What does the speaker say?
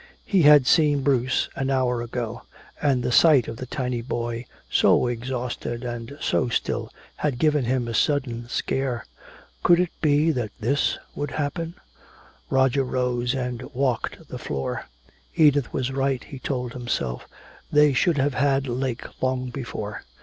He had seen Bruce an hour ago; and the sight of the tiny boy, so exhausted and so still, had given him a sudden scare. Could it be that this would happen? Roger rose and walked the floor. Edith was right, he told himself, they should have had Lake long before.